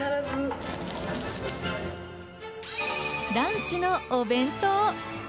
ランチのお弁当。